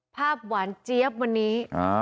ภาพหวานเจี๊ยบวันนี้